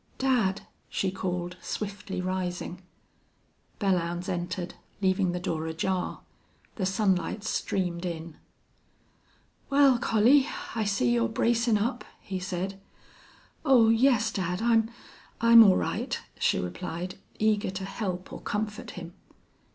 "Dad!" she called, swiftly rising. Belllounds entered, leaving the door ajar. The sunlight streamed in. "Wal, Collie, I see you're bracin' up," he said. "Oh yes, dad, I'm I'm all right," she replied, eager to help or comfort him.